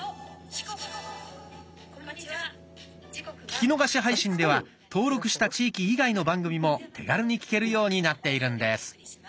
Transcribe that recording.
「聴き逃し配信」では登録した地域以外の番組も手軽に聴けるようになっているんです。